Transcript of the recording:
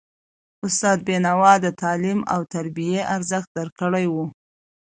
استاد بینوا د تعلیم او تربیې ارزښت درک کړی و.